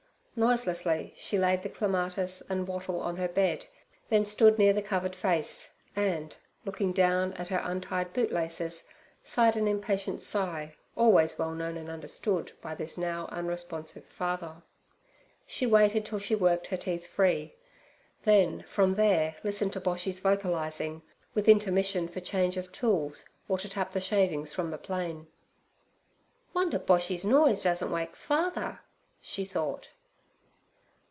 Noiselessly she laid the clematis and wattle on her bed, then stood near the covered face, and, looking down at her untied bootlaces, sighed an impatient sigh always well known and understood by this now unresponsive father. She waited till she worked her teeth free, then from there listened to Boshy's vocalizing, with intermission for change of tools or to tap the shavings from the plane. 'Wonder Boshy's noise doesn't wake father!' she thought.